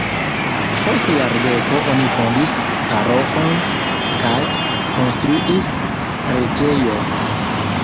Post jardeko oni fondis paroĥon kaj konstruis preĝejon.